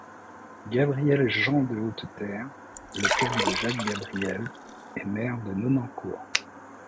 Gabriel Jan de Hauteterre, le père de Jacques Gabriel, est maire de Nonancourt.